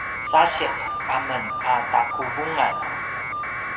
sasiq amen a taquvungan